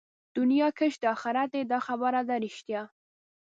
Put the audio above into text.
دنيا کښت د آخرت دئ دا خبره ده رښتيا